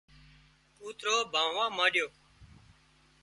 ڪوترو ڀانهوا مانڏيو